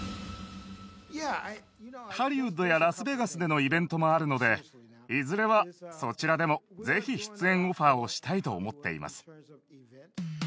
ハリウッドやラスベガスでのイベントもあるので、いずれはそちらでも、ぜひ出演オファーをしたいと思っています。